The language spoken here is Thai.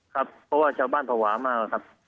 ครับเพราะว่าชาวบ้านภาวะมากครับ